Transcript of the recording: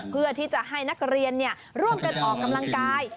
เพื่อที่จะให้นักเรียนร่วมกันออกกำลังกาย